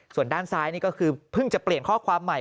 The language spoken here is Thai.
ส่วนด้านซ้ายนี่ก็คือเพิ่งจะเปลี่ยนข้อความใหม่